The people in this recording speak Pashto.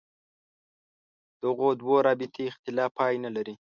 دغو دوو رابطې اختلاف پای نه لري.